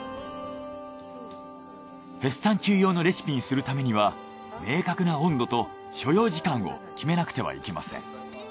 ヘスタンキュー用のレシピにするためには明確な温度と所要時間を決めなくてはいけません。